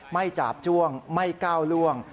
จาบจ้วงไม่ก้าวล่วง